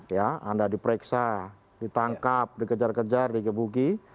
ya anda diperiksa ditangkap dikejar kejar dikebuki